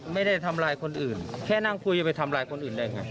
ไม่ได้ทำร้ายคนอื่นแค่นั่งคุยจะไปทำร้ายคนอื่นได้ไง